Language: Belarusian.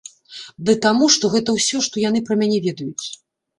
Ды таму, што гэта ўсё, што яны пра мяне ведаюць.